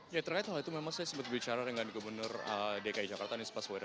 ya terkait hal itu memang saya sempat berbicara dengan gubernur dki jakarta nispa swede